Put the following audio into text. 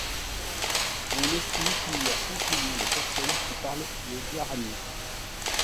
On estime qu'il y a cinq millions de personnes qui parlent le guarani.